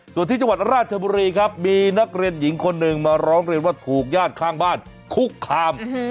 ส่วนที่จังหวัดราชบุรีครับมีนักเรียนหญิงคนหนึ่งมาร้องเรียนว่าถูกญาติข้างบ้านคุกคาม